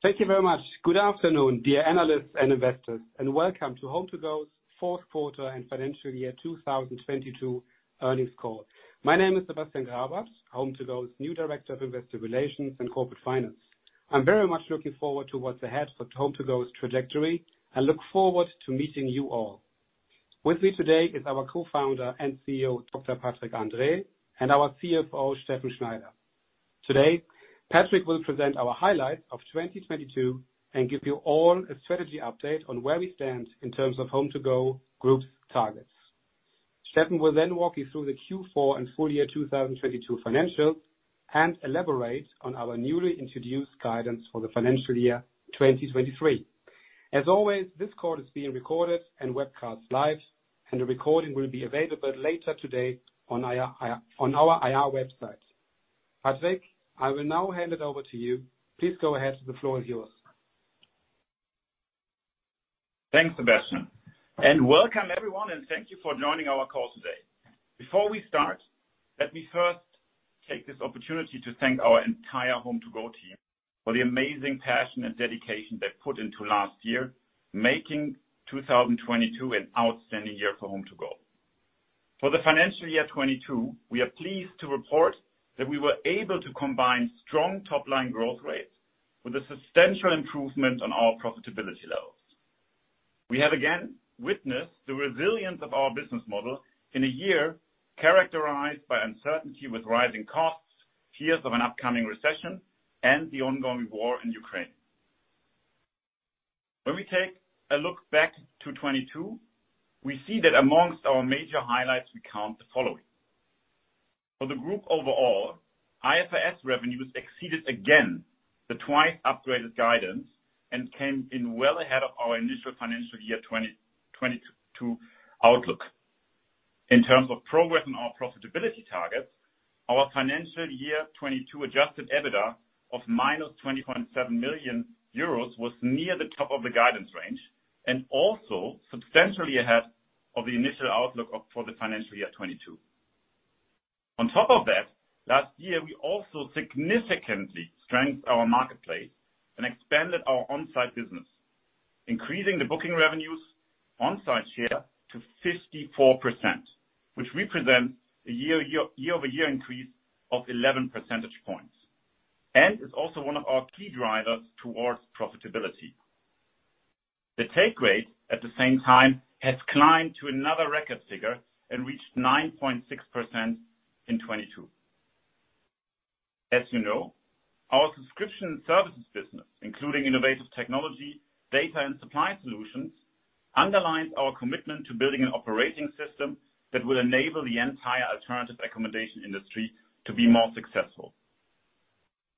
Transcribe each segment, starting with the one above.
Thank you very much. Good afternoon, dear analysts and investors, and welcome to HomeToGo's fourth quarter and financial year 2022 earnings call. My name is Sebastian Grabert, HomeToGo's new Director of Investor Relations and Corporate Finance. I'm very much looking forward to what's ahead for HomeToGo's trajectory and look forward to meeting you all. With me today is our Co-founder and CEO, Dr. Patrick Andrae, and our CFO, Steffen Schneider. Today, Patrick will present our highlights of 2022 and give you all a strategy update on where we stand in terms of HomeToGo Group's targets. Steffen will then walk you through the Q4 and full year 2022 financials and elaborate on our newly introduced guidance for the financial year 2023. As always, this call is being recorded and webcast live, the recording will be available later today on our IR website. Patrick, I will now hand it over to you. Please go ahead, the floor is yours. Thanks, Sebastian. Welcome everyone and thank you for joining our call today. Before we start, let me first take this opportunity to thank our entire HomeToGo team for the amazing passion and dedication they put into last year, making 2022 an outstanding year for HomeToGo. For the financial year 2022, we are pleased to report that we were able to combine strong top-line growth rates with a substantial improvement on our profitability levels. We have again witnessed the resilience of our business model in a year characterized by uncertainty with rising costs, fears of an upcoming recession, and the ongoing war in Ukraine. When we take a look back to 2022, we see that amongst our major highlights, we count the following. For the group overall, IFRS revenues exceeded again the twice-upgraded guidance and came in well ahead of our initial financial year 2022 outlook. In terms of progress on our profitability targets, our financial year 2022 adjusted EBITDA of -20.7 million euros was near the top of the guidance range and also substantially ahead of the initial outlook for the financial year 2022. On top of that, last year, we also significantly strengthened our marketplace and expanded our on-site business, increasing the booking revenues on-site share to 54%, which represents a year-over-year increase of 11 percentage points, and is also one of our key drivers towards profitability. The take rate at the same time has climbed to another record figure and reached 9.6% in 2022. As you know, our Subscription Services business, including innovative technology, data, and supply solutions, underlines our commitment to building an operating system that will enable the entire alternative accommodation industry to be more successful.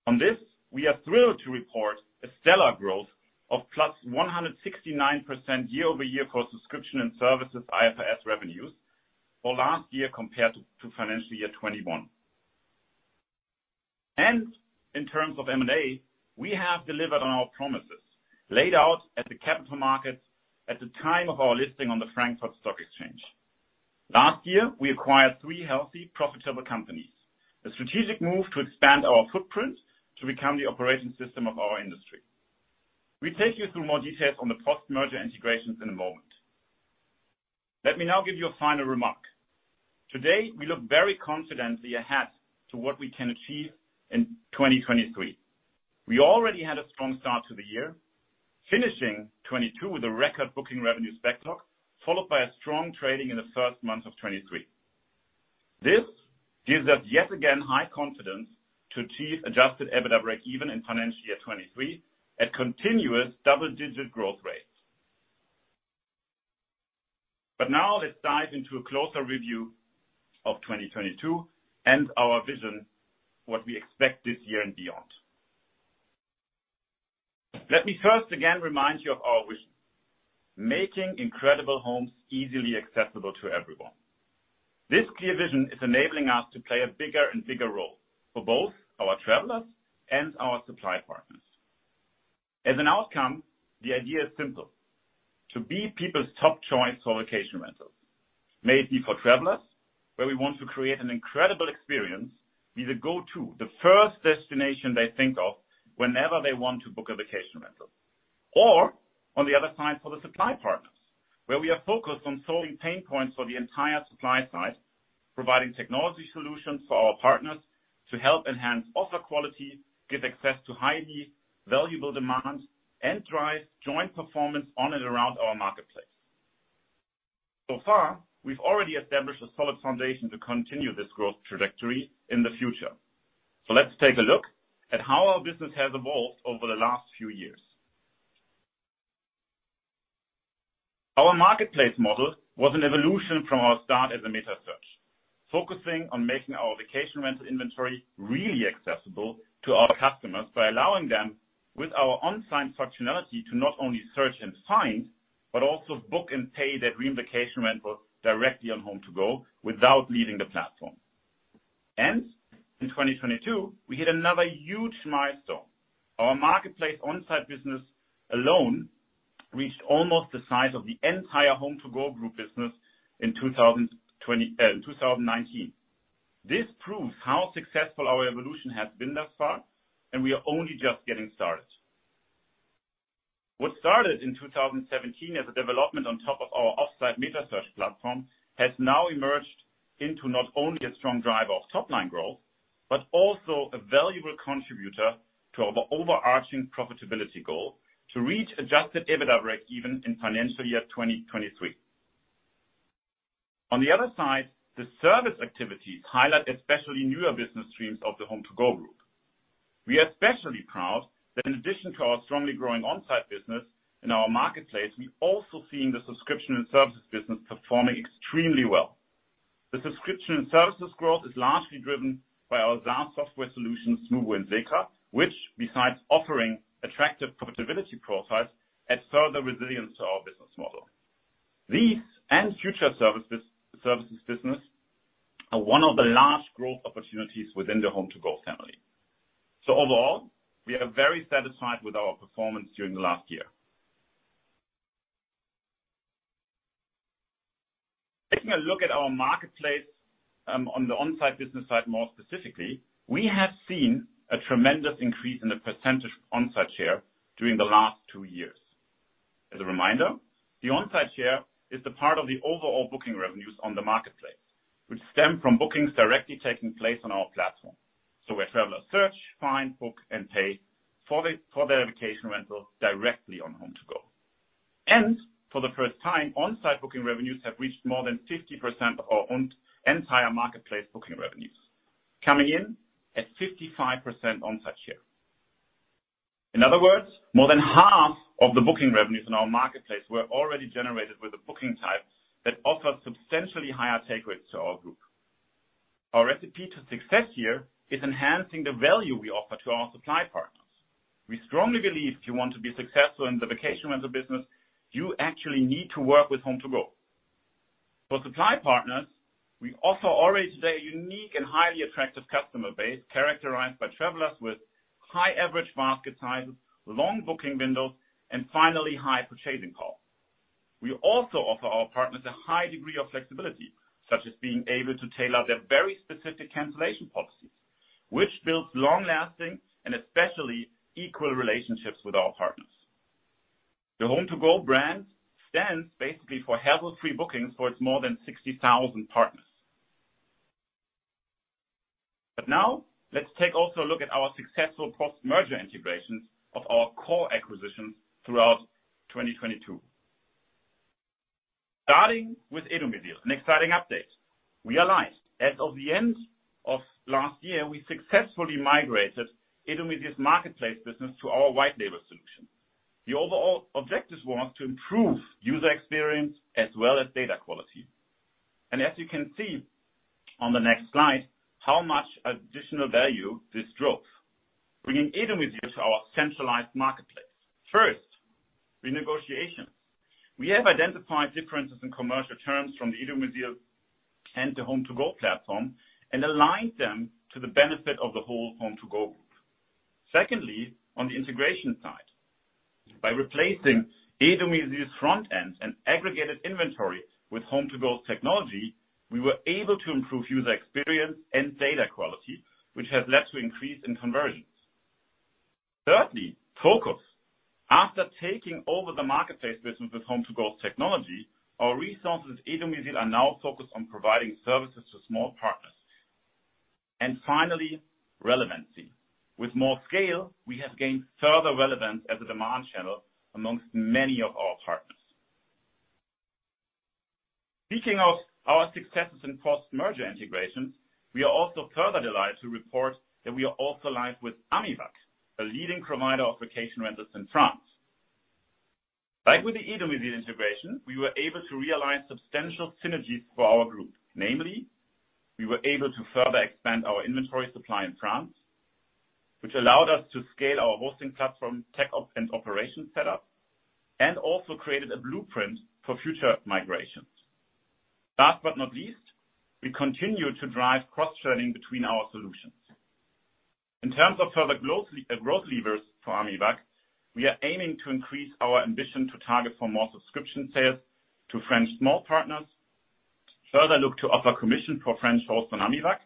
On this, we are thrilled to report a stellar growth of +169% year-over-year for subscription and services IFRS revenues for last year compared to financial year 2021. In terms of M&A, we have delivered on our promises laid out at the capital markets at the time of our listing on the Frankfurt Stock Exchange. Last year, we acquired three healthy, profitable companies, a strategic move to expand our footprint to become the operating system of our industry. We take you through more details on the post-merger integrations in a moment. Let me now give you a final remark. Today, we look very confidently ahead to what we can achieve in 2023. We already had a strong start to the year, finishing 2022 with a record booking revenue backlog, followed by a strong trading in the first month of 2023. This gives us yet again high confidence to achieve adjusted EBITDA breakeven in financial year 2023 at continuous double-digit growth rates. Now let's dive into a closer review of 2022 and our vision, what we expect this year and beyond. Let me first again remind you of our vision, making incredible homes easily accessible to everyone. This clear vision is enabling us to play a bigger and bigger role for both our travelers and our supply partners. As an outcome, the idea is simple, to be people's top choice for vacation rentals. May it be for travelers, where we want to create an incredible experience, be the go-to, the first destination they think of whenever they want to book a vacation rental. On the other side for the supply partners, where we are focused on solving pain points for the entire supply side, providing technology solutions for our partners to help enhance offer quality, give access to highly valuable demand, and drive joint performance on and around our marketplace. So far, we've already established a solid foundation to continue this growth trajectory in the future. Let's take a look at how our business has evolved over the last few years. Our marketplace model was an evolution from our start as a meta search, focusing on making our vacation rental inventory really accessible to our customers by allowing them with our on-site functionality to not only search and find, but also book and pay their dream vacation rental directly on HomeToGo without leaving the platform. In 2022, we hit another huge milestone. Our marketplace on-site business alone reached almost the size of the entire HomeToGo Group business in 2020, 2019. This proves how successful our evolution has been thus far, and we are only just getting started. What started in 2017 as a development on top of our offsite meta search platform has now emerged into not only a strong driver of top-line growth, but also a valuable contributor to our overarching profitability goal to reach adjusted EBITDA breakeven in financial year 2023. On the other side, the service activities highlight especially newer business streams of the HomeToGo Group. We are especially proud that in addition to our strongly growing on-site business in our marketplace, we've also seen the subscription and services business performing extremely well. The subscription and services growth is largely driven by our SaaS software solution, Smoobu and SECRA, which besides offering attractive profitability profiles, add further resilience to our business model. These and future services business are one of the last growth opportunities within the HomeToGo family. Overall, we are very satisfied with our performance during the last year. Taking a look at our marketplace, on the on-site business side, more specifically, we have seen a tremendous increase in the percentage on-site share during the last two years. As a reminder, the on-site share is the part of the overall booking revenues on the marketplace, which stem from bookings directly taking place on our platform. Where travelers search, find, book, and pay for their vacation rental directly on HomeToGo. For the first time, on-site booking revenues have reached more than 50% of our own entire marketplace booking revenues, coming in at 55% on-site share. In other words, more than half of the booking revenues in our marketplace were already generated with a booking type that offers substantially higher take rates to our group. Our recipe to success here is enhancing the value we offer to our supply partners. We strongly believe if you want to be successful in the vacation rental business, you actually need to work with HomeToGo. For supply partners, we also already today a unique and highly attractive customer base characterized by travelers with high average basket sizes, long booking windows, and finally, high purchasing power. We also offer our partners a high degree of flexibility, such as being able to tailor their very specific cancellation policies, which builds long-lasting and especially equal relationships with our partners. The HomeToGo brand stands basically for hassle-free bookings for its more than 60,000 partners. Now let's take also a look at our successful post-merger integrations of our core acquisitions throughout 2022. Starting with e-domizil, an exciting update. We are live. As of the end of last year, we successfully migrated e-domizil marketplace business to our white label solution. The overall objective was to improve user experience as well as data quality. As you can see on the next slide, how much additional value this drove. Bringing e-domizil to our centralized marketplace. First, renegotiation. We have identified differences in commercial terms from the e-domizil and the HomeToGo platform and aligned them to the benefit of the whole HomeToGo Group. Secondly, on the integration side, by replacing e-domizil front end and aggregated inventory with HomeToGo technology, we were able to improve user experience and data quality, which has led to increase in conversions. Thirdly, focus. After taking over the marketplace business with HomeToGo technology, our resources at e-domizil are now focused on providing services to small partners. Finally, relevancy. With more scale, we have gained further relevance as a demand channel amongst many of our partners. Speaking of our successes in post-merger integrations, we are also further delighted to report that we are also live with AMIVAC, a leading provider of vacation rentals in France. Like with the e-domizil integration, we were able to realize substantial synergies for our group. We were able to further expand our inventory supply in France, which allowed us to scale our hosting platform tech op and operation setup, and also created a blueprint for future migrations. Last but not least, we continue to drive cross-churning between our solutions. In terms of further growth levers for AMIVAC, we are aiming to increase our ambition to target for more subscription sales to French small partners, further look to offer commission for French hosts on AMIVAC,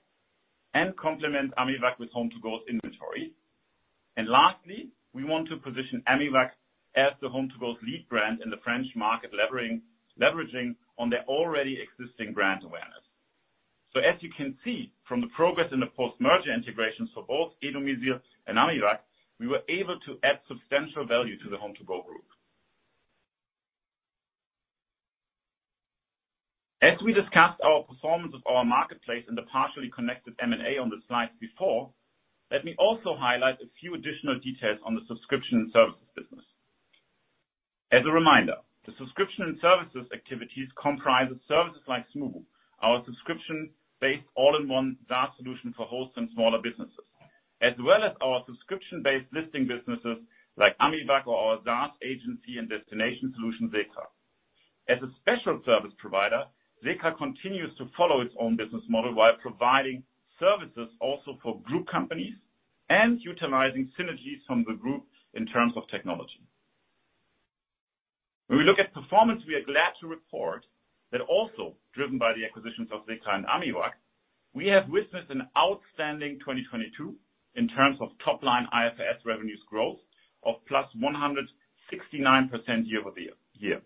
and complement AMIVAC with HomeToGo inventory. Lastly, we want to position AMIVAC as the HomeToGo's lead brand in the French market leveraging on their already existing brand awareness. As you can see from the progress in the post-merger integrations for both e-domizil and AMIVAC, we were able to add substantial value to the HomeToGo Group. As we discussed our performance of our marketplace and the partially connected M&A on the slides before, let me also highlight a few additional details on the subscription and services business. As a reminder, the subscription and services activities comprises services like Smoobu, our subscription-based all-in-one SaaS solution for hosts and smaller businesses, as well as our subscription-based listing businesses like AMIVAC or our SaaS agency and destination solution, SECRA. As a special service provider, SECRA continues to follow its own business model while providing services also for Group companies and utilizing synergies from the Group in terms of technology. We are glad to report that also driven by the acquisitions of SECRA and AMIVAC, we have witnessed an outstanding 2022 in terms of top line IFRS revenues growth of +169% year-over-year.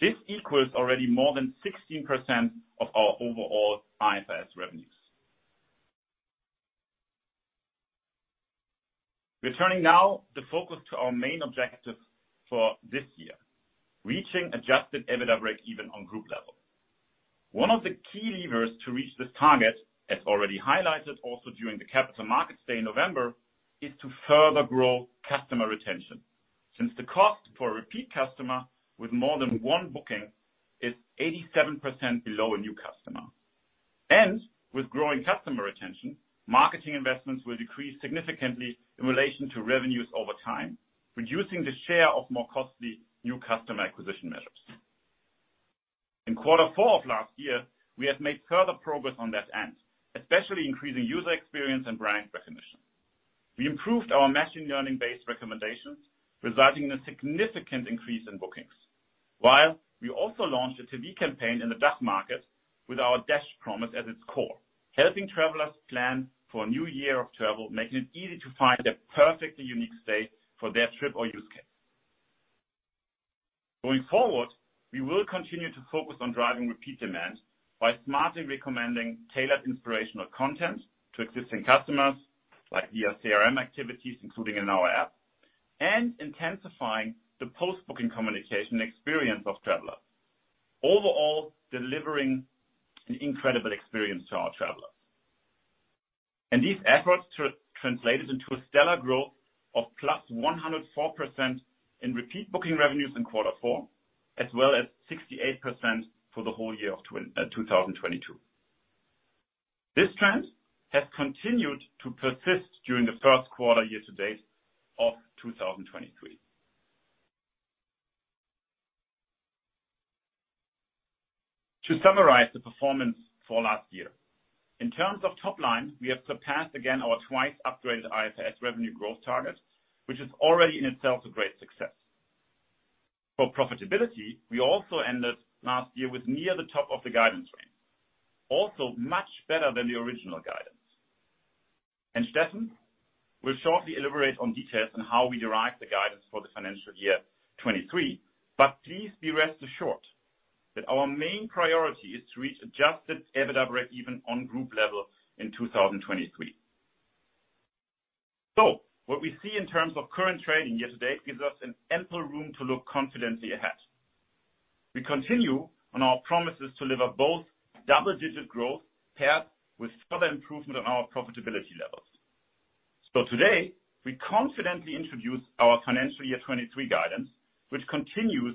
This equals already more than 16% of our overall IFRS revenues. We're turning now the focus to our main objective for this year, reaching adjusted EBITDA breakeven on Group level. One of the key levers to reach this target, as already highlighted also during the capital markets day in November, is to further grow customer retention. Since the cost for a repeat customer with more than one booking is 87% below a new customer. With growing customer retention, marketing investments will decrease significantly in relation to revenues over time, reducing the share of more costly new customer acquisition measures. In quarter four of last year, we have made further progress on that end, especially increasing user experience and brand recognition. We improved our machine learning-based recommendations, resulting in a significant increase in bookings. While we also launched a TV campaign in the Dutch market with our dash_promise at its core, helping travelers plan for a new year of travel, making it easy to find a perfectly unique stay for their trip or use case. Going forward, we will continue to focus on driving repeat demand by smartly recommending tailored inspirational content to existing customers like via CRM activities, including in our app, and intensifying the post-booking communication experience of travelers. Overall, delivering an incredible experience to our travelers. These efforts translated into a stellar growth of +104% in repeat booking revenues in quarter four, as well as 68% for the whole year of 2022. This trend has continued to persist during the first quarter year to date of 2023. To summarize the performance for last year, in terms of top line, we have surpassed again our twice upgraded IFRS revenue growth target, which is already in itself a great success. For profitability, we also ended last year with near the top of the guidance range. Also much better than the original guidance. Steffen will shortly elaborate on details on how we derive the guidance for the financial year 2023. Please be rest assured that our main priority is to reach adjusted EBITDA breakeven on group level in 2023. What we see in terms of current trading year-to-date gives us an ample room to look confidently ahead. We continue on our promises to deliver both double-digit growth paired with further improvement on our profitability levels. Today, we confidently introduce our financial year 2023 guidance, which continues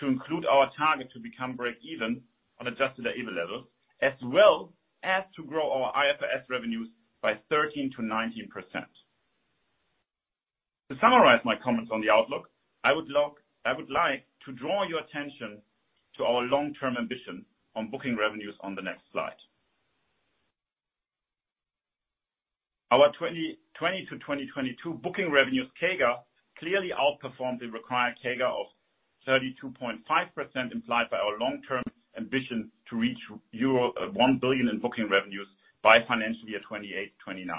to include our target to become breakeven on adjusted EBITDA levels, as well as to grow our IFRS revenues by 13%-19%. To summarize my comments on the outlook, I would like to draw your attention to our long-term ambition on booking revenues on the next slide. Our 2020-2022 booking revenues CAGR clearly outperformed the required CAGR of 32.5% implied by our long-term ambition to reach euro 1 billion in booking revenues by financial year 2028, 2029.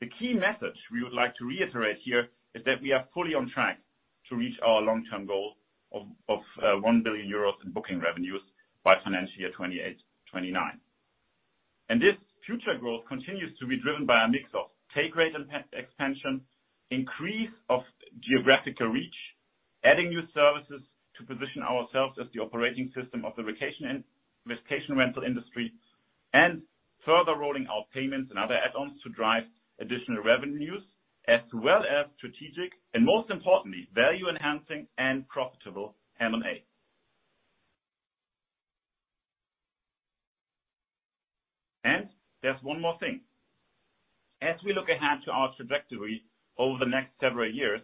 The key message we would like to reiterate here is that we are fully on track to reach our long-term goal of 1 billion euros in booking revenues by financial year 2028, 2029. This future growth continues to be driven by a mix of take rate expansion, increase of geographical reach, adding new services to position ourselves as the operating system of the vacation rental industry, and further rolling out payments and other add-ons to drive additional revenues, as well as strategic and most importantly, value-enhancing and profitable M&A. There's one more thing. As we look ahead to our trajectory over the next several years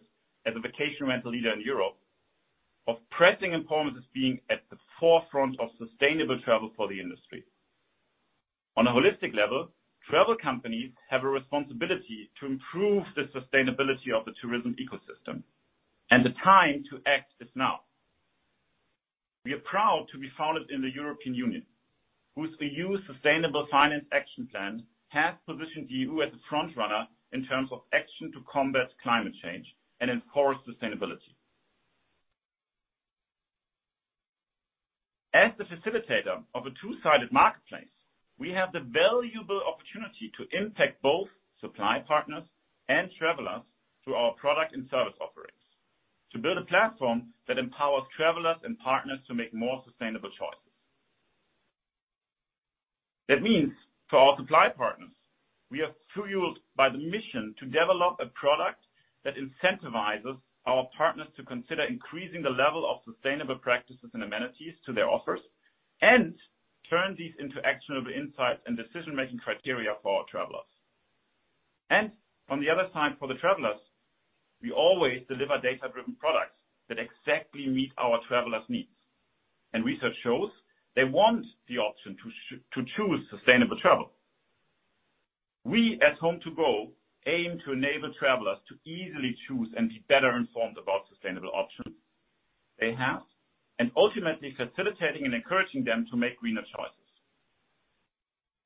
as a vacation rental leader in Europe, of pressing importance is being at the forefront of sustainable travel for the industry. On a holistic level, travel companies have a responsibility to improve the sustainability of the tourism ecosystem, and the time to act is now. We are proud to be founded in the European Union, whose EU Sustainable Finance Action Plan has positioned EU as a frontrunner in terms of action to combat climate change and enforce sustainability. As the facilitator of a two-sided marketplace, we have the valuable opportunity to impact both supply partners and travelers through our product and service offerings to build a platform that empowers travelers and partners to make more sustainable choices. That means for our supply partners, we are fueled by the mission to develop a product that incentivizes our partners to consider increasing the level of sustainable practices and amenities to their offers and turn these into actionable insights and decision-making criteria for our travelers. On the other side, for the travelers, we always deliver data-driven products that exactly meet our travelers' needs. Research shows they want the option to choose sustainable travel. We at HomeToGo aim to enable travelers to easily choose and be better informed about sustainable options they have, and ultimately facilitating and encouraging them to make greener choices.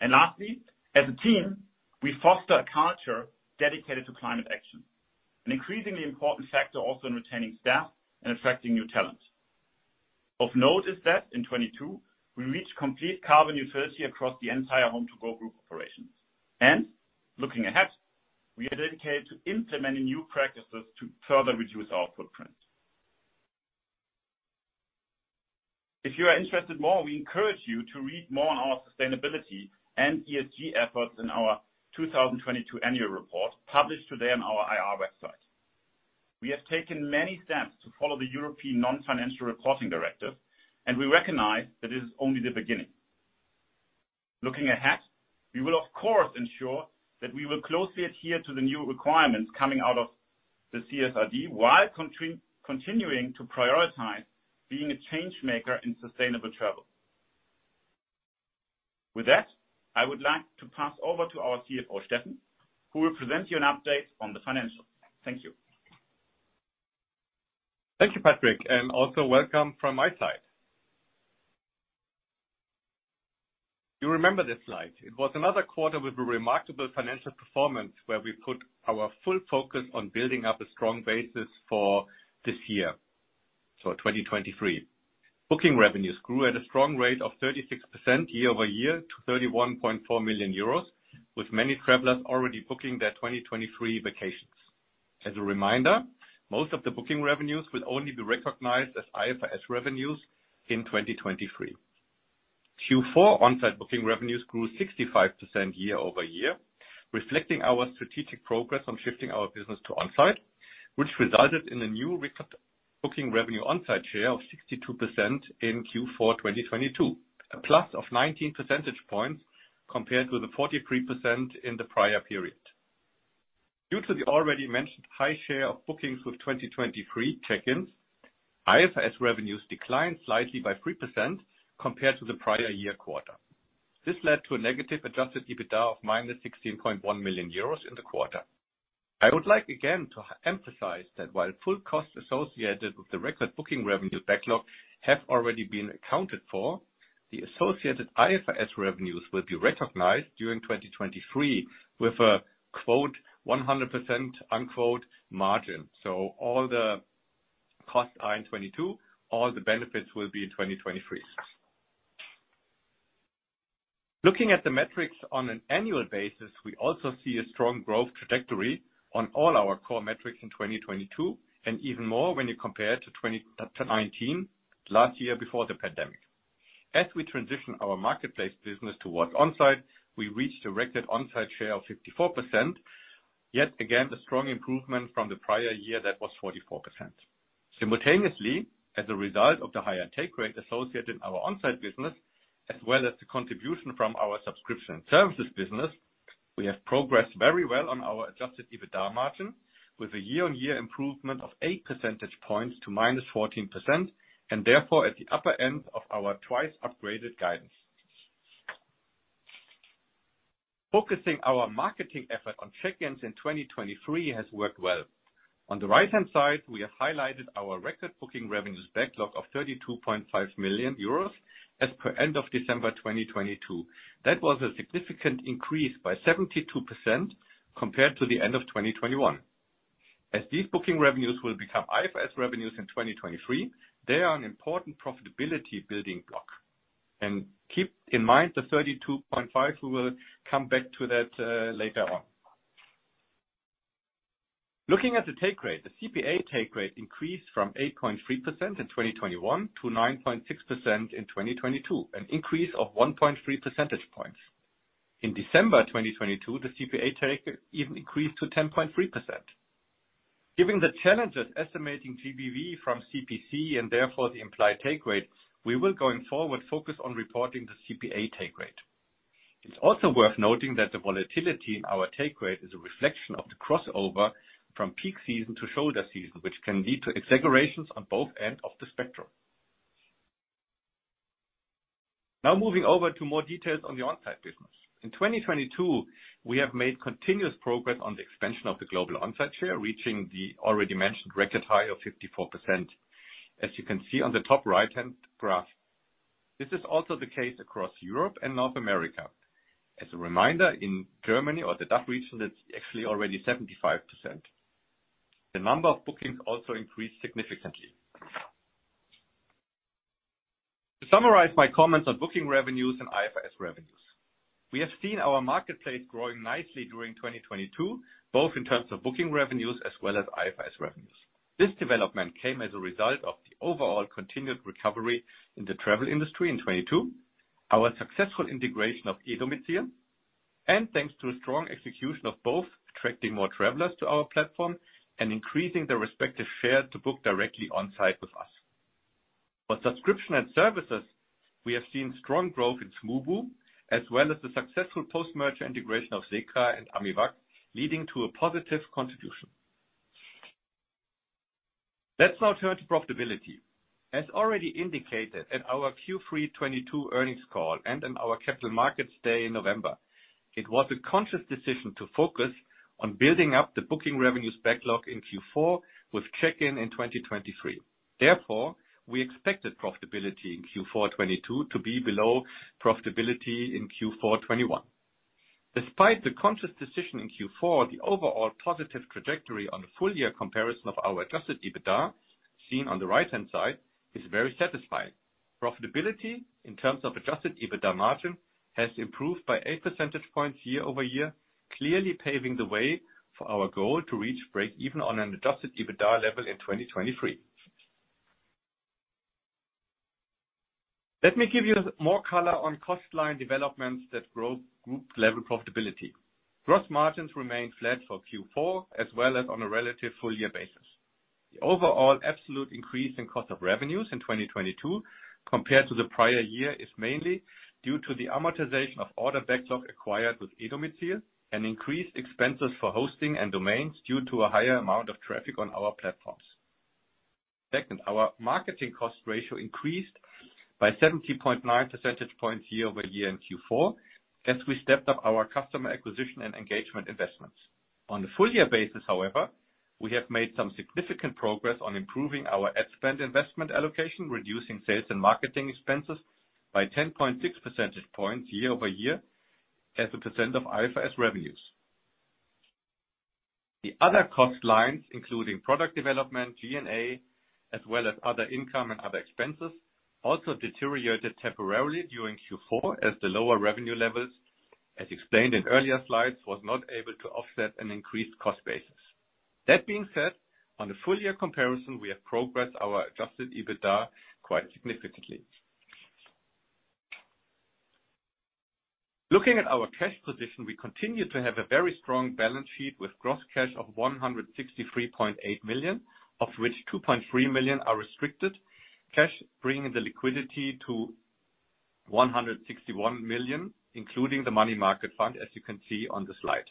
Lastly, as a team, we foster a culture dedicated to climate action, an increasingly important factor also in retaining staff and attracting new talent. Of note is that in 2022, we reached complete carbon neutrality across the entire HomeToGo Group operations. Looking ahead, we are dedicated to implementing new practices to further reduce our footprint. If you are interested more, we encourage you to read more on our sustainability and ESG efforts in our 2022 annual report, published today on our IR website. We have taken many steps to follow the European Non-Financial Reporting Directive. We recognize that this is only the beginning. Looking ahead, we will of course ensure that we will closely adhere to the new requirements coming out of the CSRD, while continuing to prioritize being a change maker in sustainable travel. With that, I would like to pass over to our CFO, Steffen, who will present you an update on the financials. Thank you. Thank you, Patrick, also welcome from my side. You remember this slide. It was another quarter with a remarkable financial performance where we put our full focus on building up a strong basis for this year, so 2023. Booking revenues grew at a strong rate of 36% year-over-year to 31.4 million euros, with many travelers already booking their 2023 vacations. As a reminder, most of the booking revenues will only be recognized as IFRS revenues in 2023. Q4 on-site booking revenues grew 65% year-over-year, reflecting our strategic progress on shifting our business to on-site, which resulted in a new record booking revenue on-site share of 62% in Q4 2022. A +19 percentage points compared to the 43% in the prior period. Due to the already mentioned high share of bookings with 2023 check-ins, IFRS revenues declined slightly by 3% compared to the prior year quarter. This led to a negative adjusted EBITDA of -16.1 million euros in the quarter. I would like again to emphasize that while full costs associated with the record booking revenues backlog have already been accounted for, the associated IFRS revenues will be recognized during 2023 with a 100% margin. All the costs are in 2022, all the benefits will be in 2023. Looking at the metrics on an annual basis, we also see a strong growth trajectory on all our core metrics in 2022, and even more when you compare to 2019, last year before the pandemic. As we transition our marketplace business towards on-site, we reached a record on-site share of 54%. Yet again, a strong improvement from the prior year that was 44%. Simultaneously, as a result of the higher take rate associated in our on-site business, as well as the contribution from our Subscription Services business, we have progressed very well on our adjusted EBITDA margin with a year-on-year improvement of 8 percentage points to -14%, and therefore at the upper end of our twice-upgraded guidance. Focusing our marketing effort on check-ins in 2023 has worked well. On the right-hand side, we have highlighted our record booking revenues backlog of 32.5 million euros as per end of December 2022. That was a significant increase by 72% compared to the end of 2021. As these booking revenues will become IFRS revenues in 2023, they are an important profitability building block. Keep in mind the 32.5 million, we will come back to that later on. Looking at the take rate, the CPA take rate increased from 8.3% in 2021 to 9.6% in 2022, an increase of 1.3 percentage points. In December 2022, the CPA take even increased to 10.3%. Given the challenges estimating GBV from CPC and therefore the implied take rate, we will going forward focus on reporting the CPA take rate. It's also worth noting that the volatility in our take rate is a reflection of the crossover from peak season to shoulder season, which can lead to exaggerations on both end of the spectrum. Moving over to more details on the on-site business. In 2022, we have made continuous progress on the expansion of the global on-site share, reaching the already mentioned record high of 54%. As you can see on the top right-hand graph, this is also the case across Europe and North America. As a reminder, in Germany or the DACH region, it's actually already 75%. The number of bookings also increased significantly. To summarize my comments on booking revenues and IFRS revenues. We have seen our marketplace growing nicely during 2022, both in terms of booking revenues as well as IFRS revenues. This development came as a result of the overall continued recovery in the travel industry in 2022, our successful integration of e-domizil, and thanks to a strong execution of both attracting more travelers to our platform and increasing their respective share to book directly on-site with us. For subscription and services, we have seen strong growth in Smoobu, as well as the successful post-merger integration of SECRA and AMIVAC, leading to a positive contribution. Let's now turn to profitability. As already indicated at our Q3 2022 earnings call and in our capital markets day in November, it was a conscious decision to focus on building up the booking revenues backlog in Q4 with check-in in 2023. We expected profitability in Q4 2022 to be below profitability in Q4 2021. Despite the conscious decision in Q4, the overall positive trajectory on the full year comparison of our adjusted EBITDA, seen on the right-hand side, is very satisfying. Profitability in terms of adjusted EBITDA margin has improved by 8 percentage points year-over-year, clearly paving the way for our goal to reach break even on an adjusted EBITDA level in 2023. Let me give you more color on cost line developments that grow group level profitability. Gross margins remained flat for Q4 as well as on a relative full year basis. The overall absolute increase in cost of revenues in 2022 compared to the prior year is mainly due to the amortization of order backlog acquired with e-domizil and increased expenses for hosting and domains due to a higher amount of traffic on our platforms. Second, our marketing cost ratio increased by 70.9 percentage points year-over-year in Q4 as we stepped up our customer acquisition and engagement investments. On a full year basis, however, we have made some significant progress on improving our ad spend investment allocation, reducing sales and marketing expenses by 10.6 percentage points year-over-year as a percent of IFRS revenues. The other cost lines, including product development, G&A, as well as other income and other expenses, also deteriorated temporarily during Q4 as the lower revenue levels, as explained in earlier slides, was not able to offset an increased cost basis. That being said, on a full year comparison, we have progressed our adjusted EBITDA quite significantly. Looking at our cash position, we continue to have a very strong balance sheet with gross cash of 163.8 million, of which 2.3 million are restricted cash, bringing the liquidity to 161 million, including the money market fund, as you can see on the slide.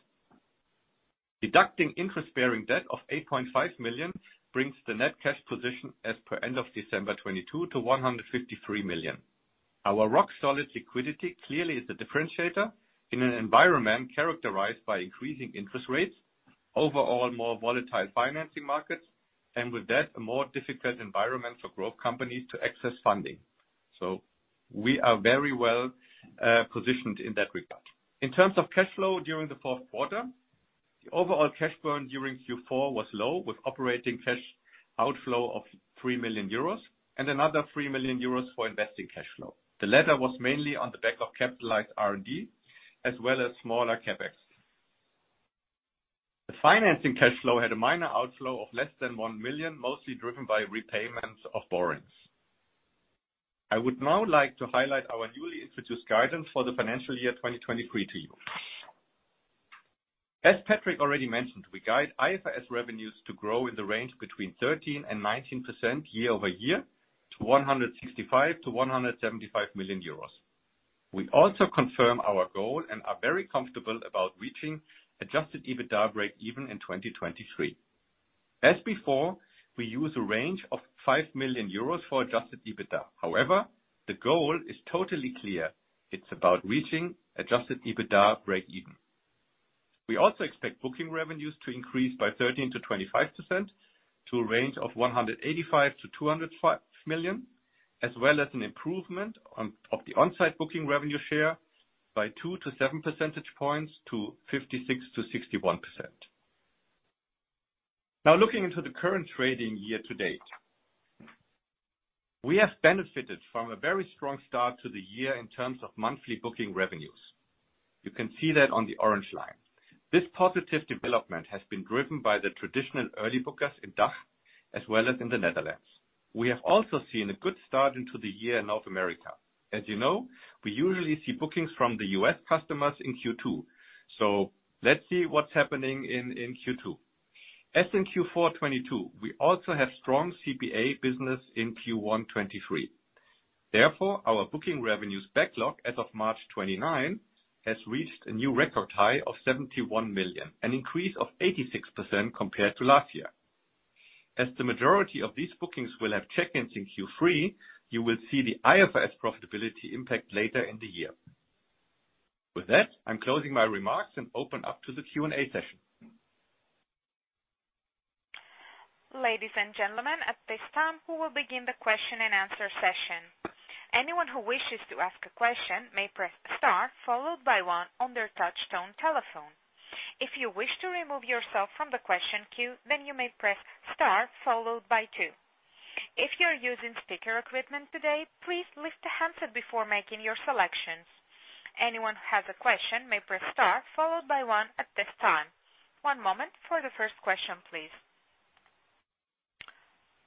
Deducting interest-bearing debt of 8.5 million brings the net cash position as per end of December 2022 to 153 million. Our rock-solid liquidity clearly is a differentiator in an environment characterized by increasing interest rates, overall more volatile financing markets, and with that, a more difficult environment for growth companies to access funding. We are very well positioned in that regard. In terms of cash flow during the fourth quarter, the overall cash burn during Q4 was low, with operating cash outflow of 3 million euros and another 3 million euros for investing cash flow. The latter was mainly on the back of capitalized R&D as well as smaller CapEx. The financing cash flow had a minor outflow of less than 1 million, mostly driven by repayments of borrowings. I would now like to highlight our newly introduced guidance for the financial year 2023 to you. As Patrick already mentioned, we guide IFRS revenues to grow in the range between 13% and 19% year-over-year to 165 million-175 million euros. We also confirm our goal and are very comfortable about reaching adjusted EBITDA break even in 2023. As before, we use a range of 5 million euros for adjusted EBITDA. The goal is totally clear. It's about reaching adjusted EBITDA break even. We also expect booking revenues to increase by 13%-25% to a range of 185 million-205 million, as well as an improvement of the on-site booking revenue share by 2-7 percentage points to 56%-61%. Looking into the current trading year to date. We have benefited from a very strong start to the year in terms of monthly booking revenues. You can see that on the orange line. This positive development has been driven by the traditional early bookers in DACH as well as in the Netherlands. We have also seen a good start into the year in North America. As you know, we usually see bookings from the U.S. customers in Q2. Let's see what's happening in Q2. As in Q4 2022, we also have strong CPA business in Q1 2023. Our booking revenues backlog as of March 29 has reached a new record high of 71 million, an increase of 86% compared to last year. The majority of these bookings will have check-ins in Q3, you will see the IFRS profitability impact later in the year. I'm closing my remarks and open up to the Q&A session. Ladies and gentlemen, at this time, we will begin the question-and-answer session. Anyone who wishes to ask a question may press star followed by one on their touchtone telephone. If you wish to remove yourself from the question queue, then you may press star followed by two. If you're using speaker equipment today, please lift the handset before making your selections. Anyone who has a question may press star followed by one at this time. One moment for the first question, please.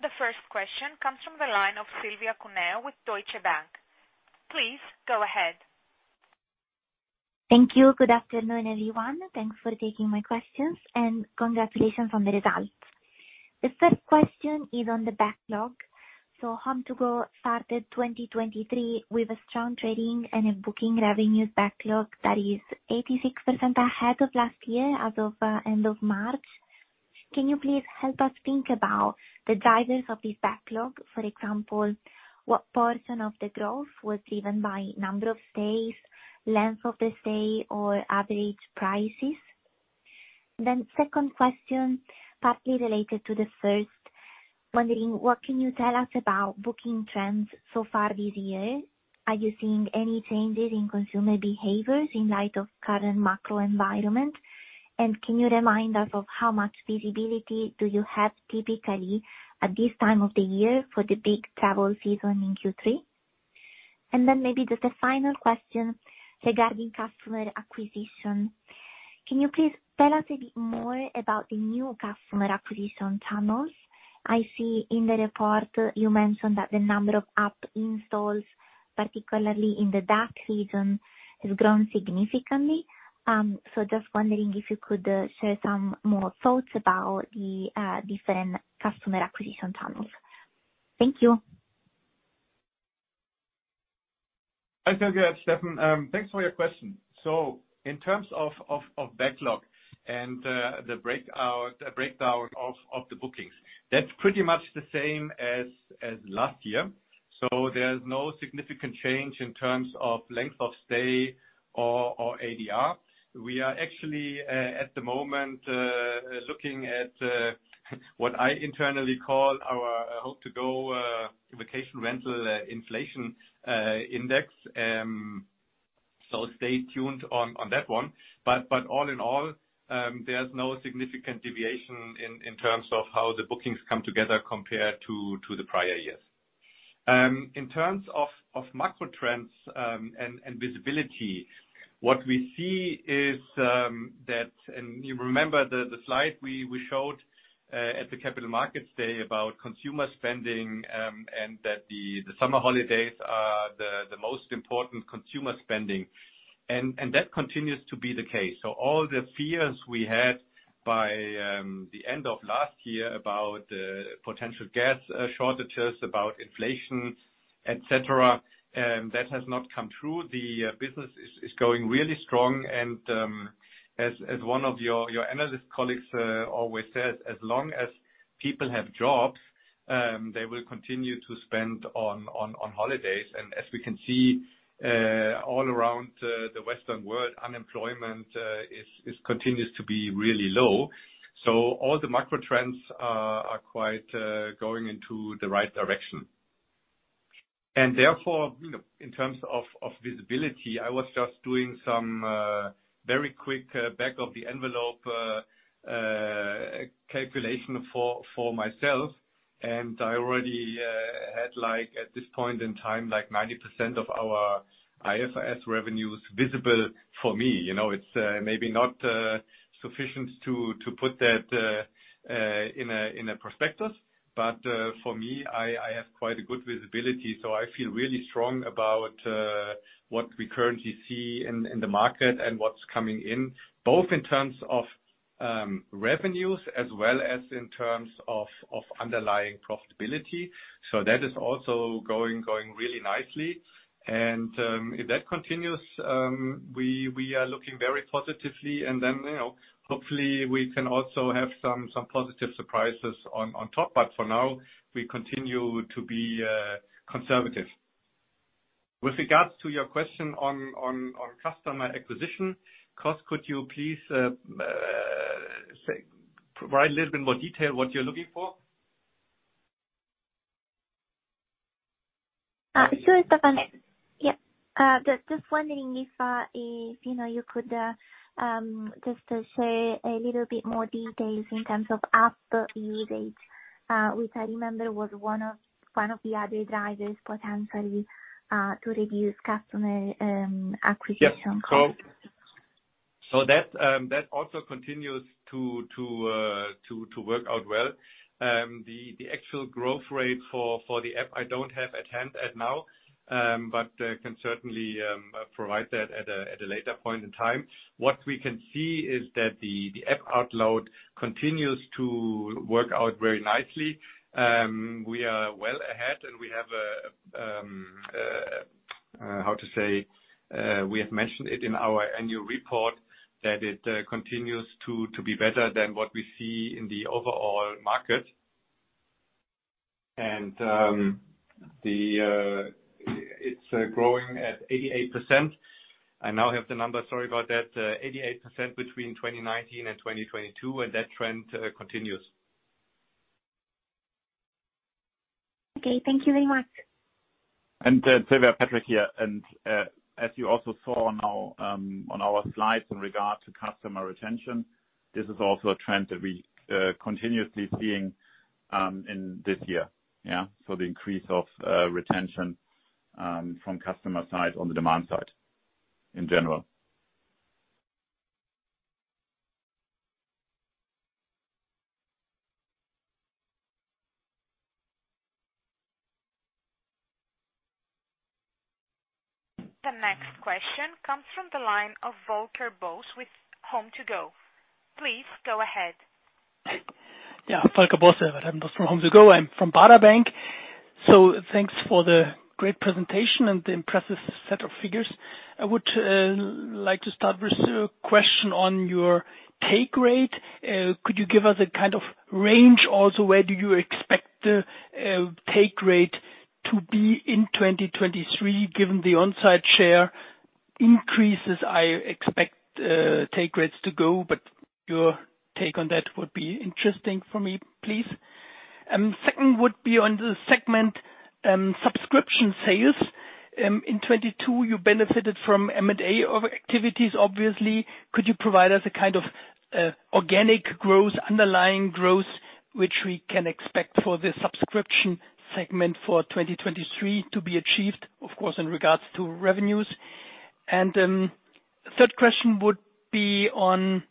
The first question comes from the line of Silvia Cuneo with Deutsche Bank. Please go ahead. Thank you. Good afternoon, everyone. Thanks for taking my questions. Congratulations on the results. The first question is on the backlog HomeToGo started 2023 with a strong trading and a booking revenues backlog that is 86% ahead of last year as of end of March. Can you please help us think about the drivers of this backlog? For example, what portion of the growth was driven by number of stays, length of the stay or average prices? Second question, partly related to the first. Wondering what can you tell us about booking trends so far this year? Are you seeing any changes in consumer behaviors in light of current macro environment? Can you remind us of how much visibility do you have typically at this time of the year for the big travel season in Q3? Maybe just a final question regarding customer acquisition. Can you please tell us a bit more about the new customer acquisition channels? I see in the report you mentioned that the number of app installs, particularly in the DACH region, has grown significantly. Just wondering if you could share some more thoughts about the different customer acquisition channels. Thank you. Hi, Silvia, it's Steffen. Thanks for your question. In terms of backlog and the breakdown of the bookings, that's pretty much the same as last year. There's no significant change in terms of length of stay or ADR. We are actually at the moment looking at what I internally call our HomeToGo vacation rental inflation index. Stay tuned on that one. All in all, there's no significant deviation in terms of how the bookings come together compared to the prior years. In terms of macro trends, and visibility, what we see is that you remember the slide we showed at the Capital Markets Day about consumer spending, and that the summer holidays are the most important consumer spending, and that continues to be the case. All the fears we had by the end of last year about potential gas shortages, about inflation, et cetera, that has not come true. The business is going really strong. As one of your analyst colleagues always says, "As long as people have jobs, they will continue to spend on holidays." As we can see, all around the Western world, unemployment continues to be really low. All the macro trends are quite going into the right direction. Therefore, you know, in terms of visibility, I was just doing some very quick back of the envelope calculation for myself. I already had like at this point in time, like 90% of our IFRS revenues visible for me. You know, it's maybe not sufficient to put that in a prospectus, but for me, I have quite a good visibility. I feel really strong about what we currently see in the market and what's coming in, both in terms of revenues as well as in terms of underlying profitability. That is also going really nicely. If that continues, we are looking very positively and then, you know, hopefully we can also have some positive surprises on top. For now, we continue to be conservative. With regards to your question on customer acquisition cost, could you please provide a little bit more detail what you're looking for? Sure, Steffen. Yeah. Just wondering if, you know, you could just say a little bit more details in terms of app usage, which I remember was one of the other drivers potentially to reduce customer acquisition costs. That also continues to work out well. The actual growth rate for the app, I don't have at hand now, but I can certainly provide that at a later point in time. What we can see is that the app outload continues to work out very nicely. We are well ahead, and we have a, how to say, we have mentioned it in our annual report that it continues to be better than what we see in the overall market. It's growing at 88%. I now have the number, sorry about that. 88% between 2019 and 2022, and that trend continues. Okay, thank you very much. Silvia, Patrick here. As you also saw on our on our slides in regard to customer retention, this is also a trend that we continuously seeing in this year. The increase of retention from customer side on the demand side in general. The next question comes from the line of Volker Bosse with HomeToGo. Please go ahead. Volker Bosse from HomeToGo. I'm from Baader Bank. Thanks for the great presentation and the impressive set of figures. I would like to start with a question on your take rate. Could you give us a kind of range also, where do you expect the take rate to be in 2023, given the on-site share increases I expect take rates to go, but your take on that would be interesting for me, please. Second would be on the segment, subscription sales. In 2022, you benefited from M&A activities, obviously. Could you provide us a kind of organic growth, underlying growth, which we can expect for the subscription segment for 2023 to be achieved, of course, in regards to revenues? Third question would be on,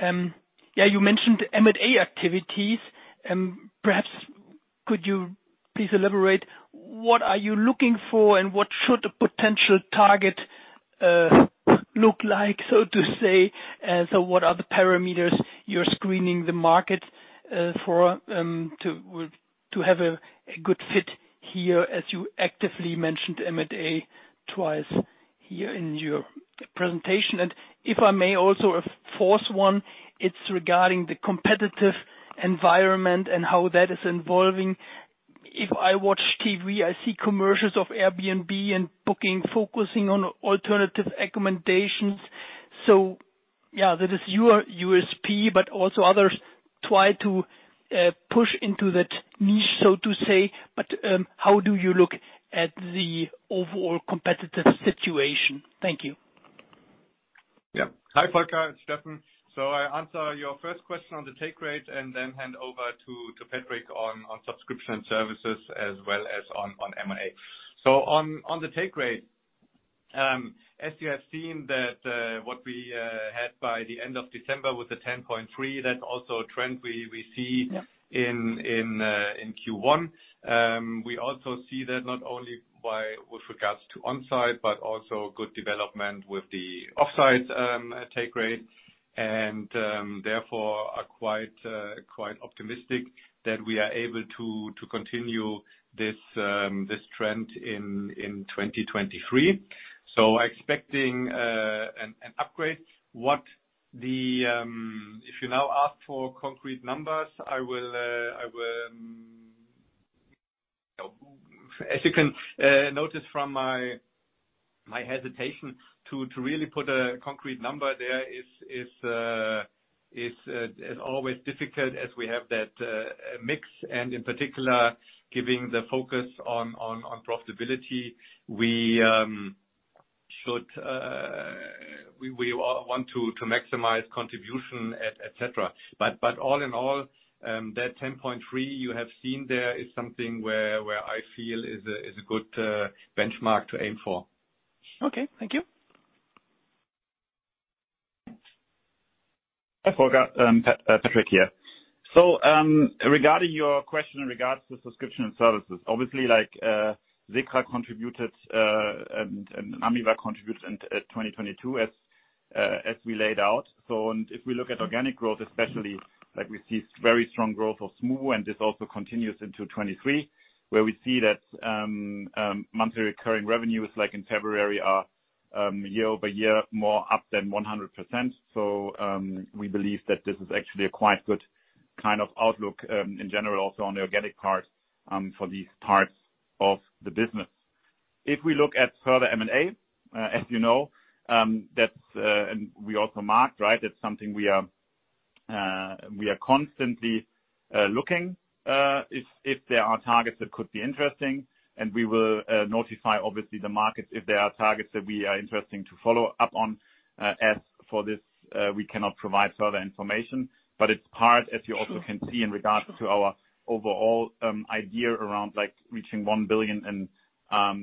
you mentioned M&A activities, perhaps could you please elaborate, what are you looking for and what should a potential target look like? What are the parameters you're screening the market for to have a good fit here as you actively mentioned M&A twice here in your presentation? If I may also a fourth one, it's regarding the competitive environment and how that is evolving. If I watch TV, I see commercials of Airbnb and booking, focusing on alternative accommodations. That is your USP, but also others try to push into that niche. How do you look at the overall competitive situation? Thank you. Yeah. Hi, Volker. It's Steffen. I answer your first question on the take rate and then hand over to Patrick on Subscription Services as well as on M&A. On the take rate, as you have seen that, what we had by the end of December with the 10.3%, that's also a trend we see. Yeah. in Q1. We also see that not only by with regards to on-site, but also good development with the off-site take rate and therefore are quite optimistic that we are able to continue this trend in 2023. Expecting an upgrade. What the... If you now ask for concrete numbers, I will... As you can notice from my hesitation to really put a concrete number there is always difficult as we have that mix, and in particular, giving the focus on profitability, we should, we want to maximize contribution, et cetera. All in all, that 10.3% you have seen there is something where I feel is a good benchmark to aim for. Okay. Thank you. Hi, Volker. Patrick here. Regarding your question in regards to Subscription and Services, obviously like SECRA contributed and AMIVAC contributed in 2022 as we laid out. If we look at organic growth, especially like we see very strong growth of Smoobu, and this also continues into 2023, where we see that monthly recurring revenues, like in February, are year-over-year, more up than 100%. We believe that this is actually a quite good kind of outlook, in general, also on the organic part, for these parts of the business. If we look at further M&A, as you know, that's, and we also marked, right? That's something we are, we are constantly looking, if there are targets that could be interesting and we will notify obviously the markets if there are targets that we are interesting to follow up on. As for this, we cannot provide further information, but it's part, as you also can see in regards to our overall idea around like reaching 1 billion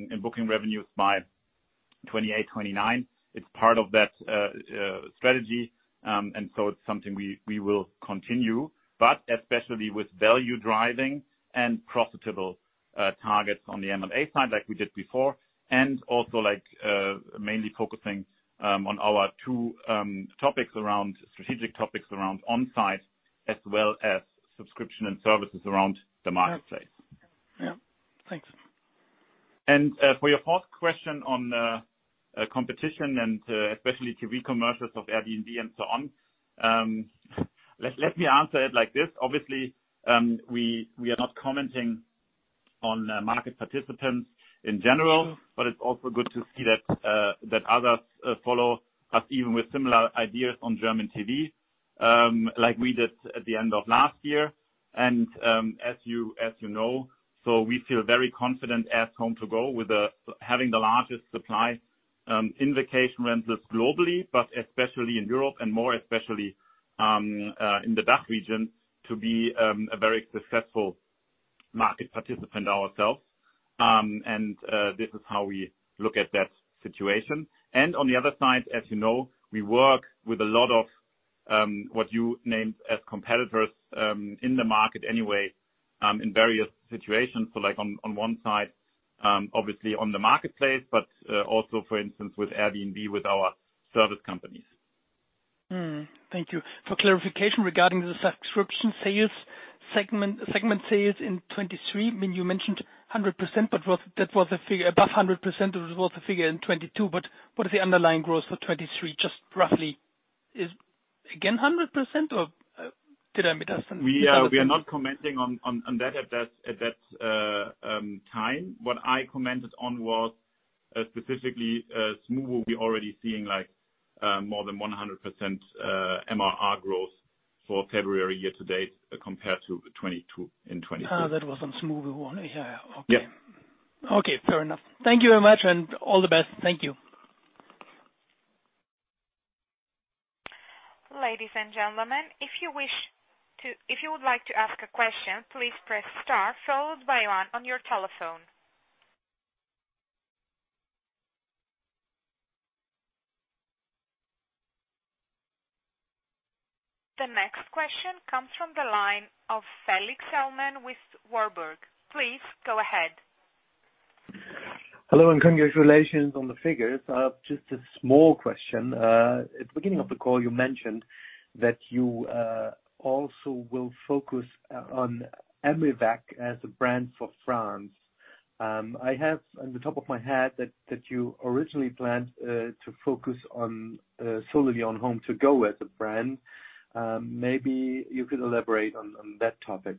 in booking revenues by 2028, 2029. It's part of that strategy, so it's something we will continue, but especially with value driving and profitable targets on the M&A side like we did before. Also like, mainly focusing on our two topics around, strategic topics around on-site as well as subscription and services around the marketplace. Yeah. Thanks. For your fourth question on competition and especially TV commercials of Airbnb and so on, let me answer it like this. Obviously, we are not commenting on market participants in general, but it's also good to see that others follow us even with similar ideas on German TV, like we did at the end of last year. As you know, we feel very confident at HomeToGo with having the largest supply in vacation rentals globally, but especially in Europe and more especially in the DACH region, to be a very successful market participant ourselves. This is how we look at that situation. On the other side, as you know, we work with a lot of what you named as competitors in the market anyway, in various situations. Like on one side, obviously on the marketplace, but also for instance with Airbnb, with our service companies. Thank you. For clarification regarding the subscription sales segment sales in 2023, I mean, you mentioned 100%, that was a figure above 100%, it was also a figure in 2022. What is the underlying growth for 2023, just roughly? Is again, 100% or did I miss something? We are not commenting on that at that time. What I commented on was specifically Smoobu will be already seeing like more than 100% MRR growth for February year to date, compared to 2022 and 2023. That was on Smoobu one. Yeah. Okay. Yeah. Okay. Fair enough. Thank you very much and all the best. Thank you. Ladies and gentlemen, If you would like to ask a question, please press star followed by one on your telephone. The next question comes from the line of Felix Ellmann with Warburg. Please go ahead. Hello and congratulations on the figures. Just a small question. At the beginning of the call you mentioned that you also will focus on AMIVAC as a brand for France. I have on the top of my head that you originally planned to focus on solely on HomeToGo as a brand. Maybe you could elaborate on that topic.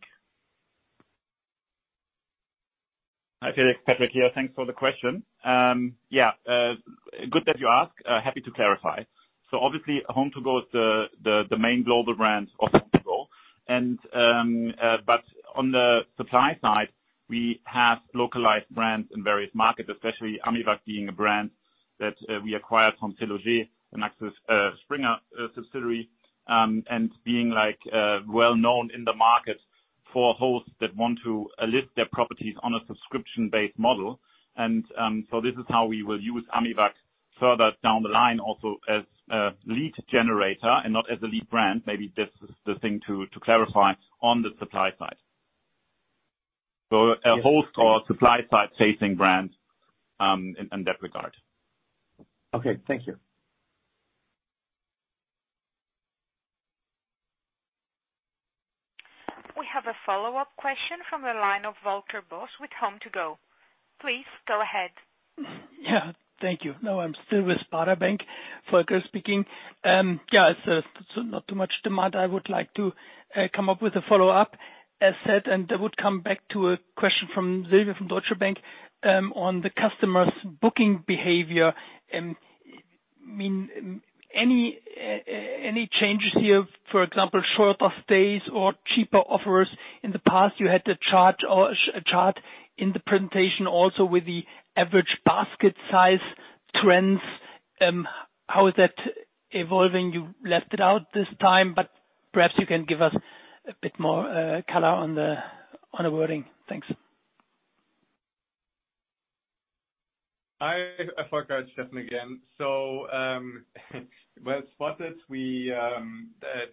Hi, Felix. Patrick here. Thanks for the question. Good that you ask. Happy to clarify. Obviously HomeToGo is the, the main global brand of HomeToGo. But on the supply side, we have localized brands in various markets, especially AMIVAC being a brand that we acquired from Groupe SeLoger, an Axel Springer SE subsidiary, and being like well-known in the market for hosts that want to list their properties on a subscription-based model. This is how we will use AMIVAC further down the line, also as a lead generator and not as a lead brand. Maybe this is the thing to clarify on the supply side. A host or supply side facing brand in that regard. Okay, thank you. We have a follow-up question from the line of Volker Bosse with HomeToGo. Please go ahead. Yeah, thank you. No, I'm still with Baader Bank, Volker speaking. Yeah, it's not too much demand. I would like to come up with a follow-up as said, that would come back to a question from Silvia from Deutsche Bank, on the customers' booking behavior. I mean, any changes here, for example, shorter stays or cheaper offers? In the past you had a chart in the presentation also with the average basket size trends. How is that evolving? You left it out this time, but perhaps you can give us a bit more color on the wording. Thanks. Hi Volker, it's Steffen again. Well spotted. We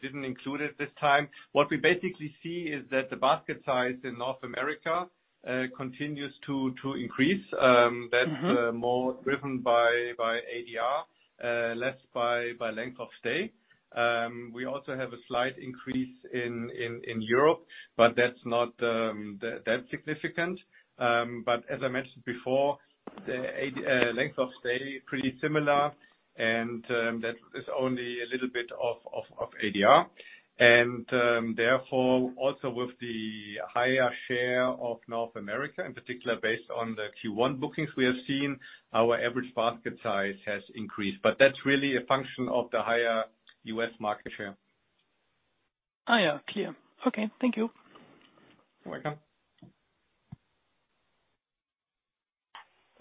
didn't include it this time. What we basically see is that the basket size in North America continues to increase. Mm-hmm. That's more driven by ADR, less by length of stay. We also have a slight increase in Europe, but that's not that significant. But as I mentioned before, the length of stay pretty similar and that is only a little bit of ADR. Therefore, also with the higher share of North America, in particular based on the Q1 bookings we have seen, our average basket size has increased. That's really a function of the higher U.S. market share. Yeah. Clear. Okay. Thank you. You're welcome.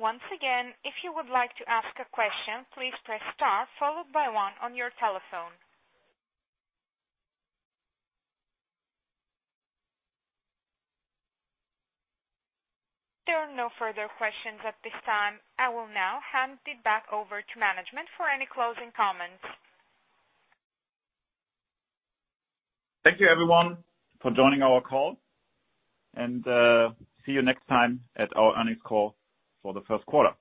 Once again, if you would like to ask a question, please press star followed by one on your telephone. There are no further questions at this time. I will now hand it back over to management for any closing comments. Thank you everyone for joining our call, and, see you next time at our earnings call for the first quarter.